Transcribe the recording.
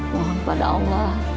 mohon pada allah